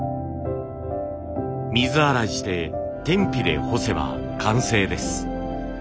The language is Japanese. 水洗いして天日で干せば完成です。